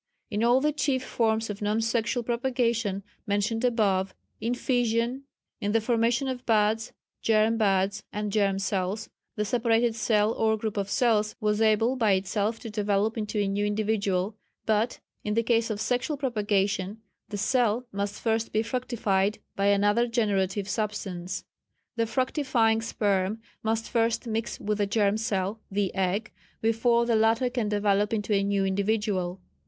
In all the chief forms of non sexual propagation mentioned above in fission, in the formation of buds, germ buds, and germ cells the separated cell or group of cells was able by itself to develop into a new individual, but in the case of sexual propagation, the cell must first be fructified by another generative substance. The fructifying sperm must first mix with the germ cell (the egg) before the latter can develop into a new individual.